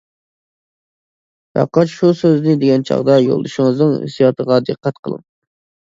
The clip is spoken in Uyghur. پەقەت شۇ سۆزنى دېگەن چاغدا يولدىشىڭىزنىڭ ھېسسىياتىغا دىققەت قىلىڭ.